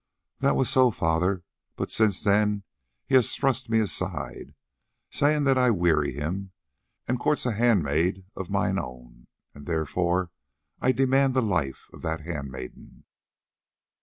"That was so, father, but since then he has thrust me aside, saying that I weary him, and courts a handmaid of mine own, and therefore I demand the life of that handmaiden."